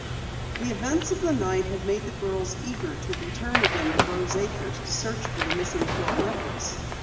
The events of the night had made the girls eager to return again to Rose Acres to search for the missing pearl necklace.